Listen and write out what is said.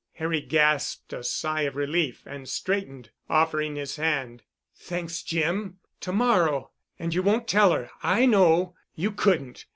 Harry gasped a sigh of relief and straightened, offering his hand. "Thanks, Jim. To morrow. And you won't tell her, I know. You couldn't.